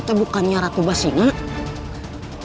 itu bukannya ratu basinah